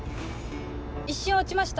一瞬落ちました。